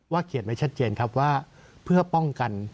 ว่าเขียนไว้ชัดเจนเพื่อป้องกัน